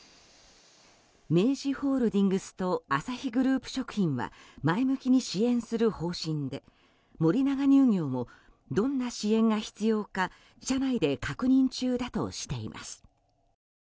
明治ホールディングスとアサヒグループ食品は前向きに支援する方針で森永乳業もどんな支援が必要か社内で確認中だとしています。